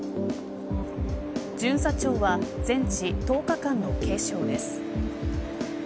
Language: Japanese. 巡査長は全治１０日間の軽傷です。